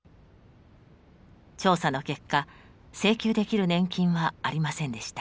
調査の結果請求できる年金はありませんでした。